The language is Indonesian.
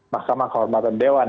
mahkamah kehormatan dewan